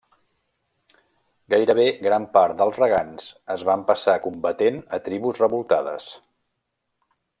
Gairebé gran part dels regants es van passar combatent a tribus revoltades.